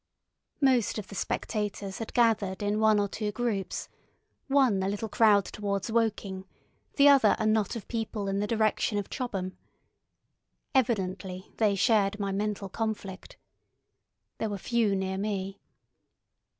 Most of the spectators had gathered in one or two groups—one a little crowd towards Woking, the other a knot of people in the direction of Chobham. Evidently they shared my mental conflict. There were few near me.